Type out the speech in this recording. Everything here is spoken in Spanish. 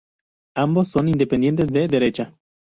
Ambos son independientes de derecha.